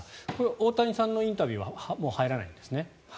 大谷さんのインタビューはもう入らないんですね。